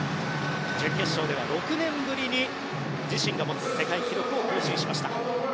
準決勝では６年ぶりに自身が持つ世界記録を更新しました。